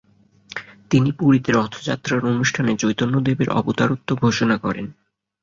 তিনি পুরীতে রথযাত্রার অনুষ্ঠানে চৈতন্যদেবের অবতারত্ব ঘোষণা করেন।